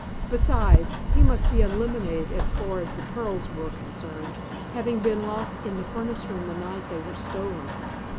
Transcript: Besides, he must be eliminated as far as the pearls were concerned, having been locked in the furnace room the night they were stolen.